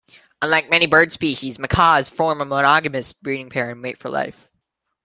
Unlike many bird species, macaws form a monogamous breeding pair and mate for life.